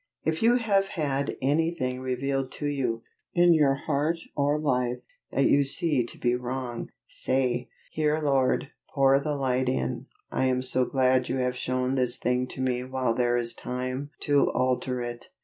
If you have had anything revealed to you, in your heart or life, that you see to be wrong, say, "Here Lord, pour the light in; I am so glad You have shown this thing to me while there is time to alter it.